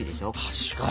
確かに！